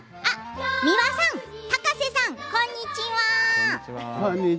美輪さん、高瀬さんこんにちは。